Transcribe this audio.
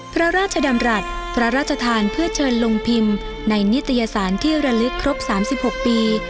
พระราชดำรัฐพระราชทานเพื่อเชิญลงพิมพ์ในนิตยสารที่ระลึกครบ๓๖ปี